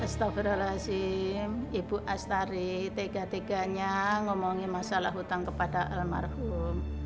astaghfirullahaladzim ibu astari tegak teganya ngomongin masalah hutang kepada almarhum